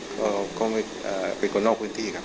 ก็ไม่เป็นคนนอกพื้นที่ครับ